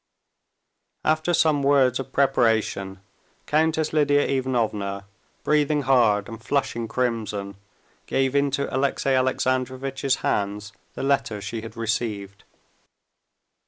After some words of preparation, Countess Lidia Ivanovna, breathing hard and flushing crimson, gave into Alexey Alexandrovitch's hands the letter she had received.